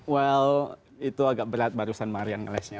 well itu agak berat barusan marian ngelesnya